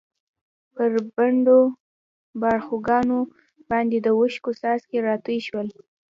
پر پڼډو باړخوګانو باندې د اوښکو څاڅکي راتوی شول.